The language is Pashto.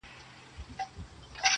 چي د کم موږک په نس کي مي غمی دی-